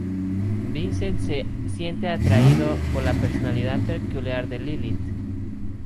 Vincent se siente atraído por la personalidad peculiar de Lilith.